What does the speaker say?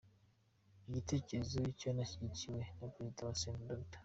Igitekerezo cyanashyigikiwe na Perezida wa Sena, Dr.